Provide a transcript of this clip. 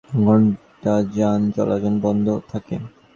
সড়ক অবরোধের কারণে ঢাকা-নারায়ণগঞ্জ পুরাতন সড়কে দুই ঘণ্টা যান চলাচল বন্ধ থাকে।